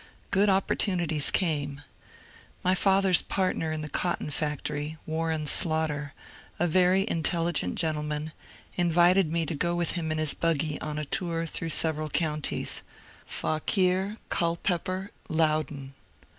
Good opportunities came. My father's partner in the cotton factory, Warren Slaughter, a very intelligent gen tleman, invited me to go with him in his buggy on a tour through several counties — Fauquier, Culpeper, Loudoun.